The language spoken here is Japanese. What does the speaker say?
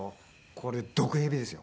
これ毒蛇ですよ。